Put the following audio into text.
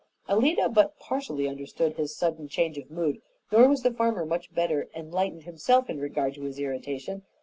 Alida but partially understood his sudden change of mood, nor was the farmer much better enlightened himself in regard to his irritation.